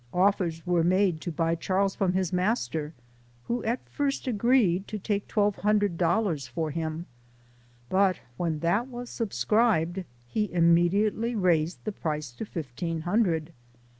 Offers were made to buy Charles from his master, who at first agreed to take twelve hundred dollars for him ; but when that was subscribed, he immediately raised the price to fifteen hundred.